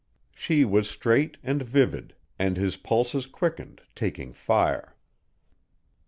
She was straight and vivid, and his pulses quickened, taking fire.